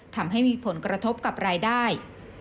ทำให้มีผลกระทบกับรายได้